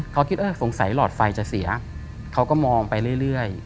เขาคิดว่าสงสัยหลอดไฟจะเสียเขาก็มองไปเรื่อย